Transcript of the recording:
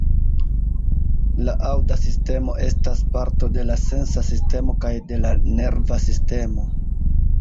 La aŭda sistemo estas parto de la sensa sistemo kaj de la nerva sistemo.